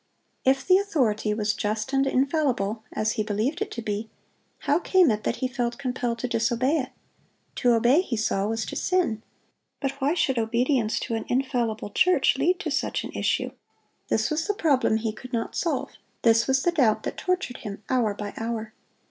If the authority was just and infallible, as he believed it to be, how came it that he felt compelled to disobey it? To obey, he saw, was to sin; but why should obedience to an infallible church lead to such an issue? This was the problem he could not solve; this was the doubt that tortured him hour by hour.